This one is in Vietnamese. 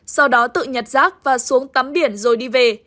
sau đó tự nhặt rác và xuống tắm biển rồi đi về